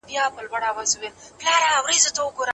زوی په لږ قيمت ساعت نه پلوري.